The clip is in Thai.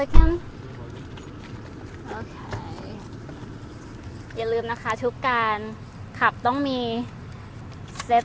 คุณส่งแล้วค่ะตรงนี้เราต้องยอมกระดูกกับอันทอดสอบ